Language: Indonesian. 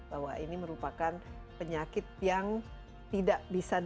bahwa ini merupakan penyakit yang tidak bisa dilakukan